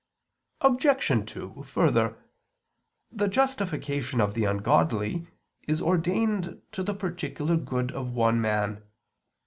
Obj. 2: Further, the justification of the ungodly is ordained to the particular good of one man.